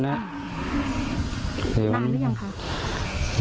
นานหรือยังคะ